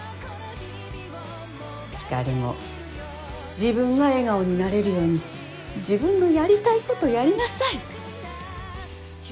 光も自分が笑顔になれるように自分のやりたい事やりなさい。